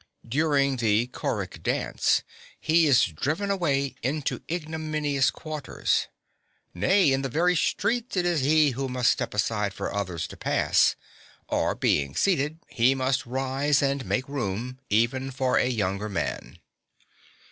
During the choric dance (3) he is driven away into ignominious quarters. Nay, in the very streets it is he who must step aside for others to pass, or, being seated, he must rise and make room, even for a younger man.